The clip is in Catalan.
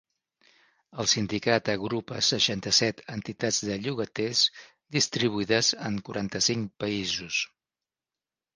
El sindicat agrupa seixanta-set entitats de llogaters distribuïdes en quaranta-cinc països.